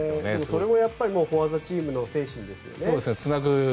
それもやっぱりフォア・ザ・チームの野球ですよね。